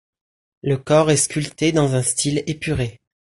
Le corps est sculpté dans un style épuré.